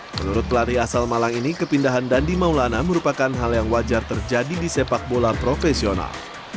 menurut pelari asal malang ini kepindahan dandi maulana merupakan hal yang wajar terjadi di sepak bola profesional